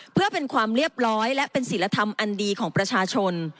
เพื่อเป็นความเรียบร้อยและเป็นศิลธรรมอันดีของประชาชน